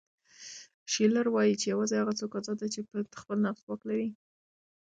شیلر وایي چې یوازې هغه څوک ازاد دی چې په خپل نفس واک ولري.